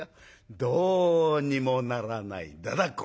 どうにもならないだだっこ。